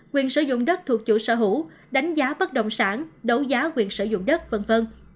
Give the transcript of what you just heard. quyền sử dụng đất thuộc chủ sở hữu đánh giá bất động sản đấu giá quyền sử dụng đất v v